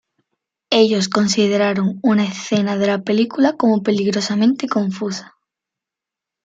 Ellos consideraron una escena de la película como peligrosamente confusa.